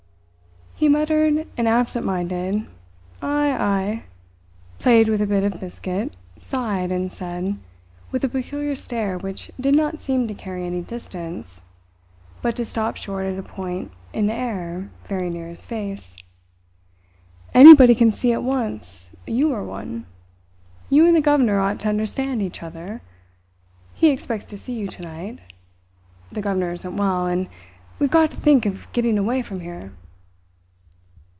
He muttered an absent minded "Ay, ay," played with a bit of biscuit, sighed, and said, with a peculiar stare which did not seem to carry any distance, but to stop short at a point in the air very near his face: "Anybody can see at once you are one. You and the governor ought to understand each other. He expects to see you tonight. The governor isn't well, and we've got to think of getting away from here."